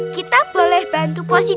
kita boleh bantu positi ya